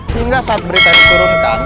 hingga saat berita diturunkan